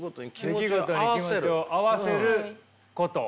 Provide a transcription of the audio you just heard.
出来事に気持ちを合わせること。